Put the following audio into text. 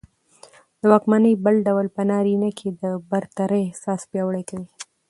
د واکمنۍ بل ډول په نارينه کې د برترۍ احساس پياوړى کوي